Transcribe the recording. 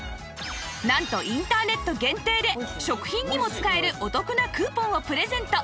なんとインターネット限定で食品にも使えるお得なクーポンをプレゼント